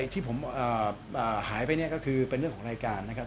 ที่ผมหายไปเนี่ยก็คือเป็นเรื่องของรายการนะครับ